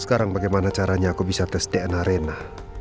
sekarang bagaimana caranya aku bisa tes dna rena